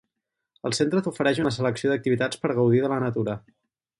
El centre t'ofereix una selecció d'activitats per gaudir de la natura.